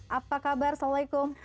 apa kabar assalamualaikum